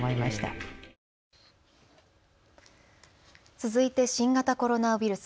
続いて新型コロナウイルス。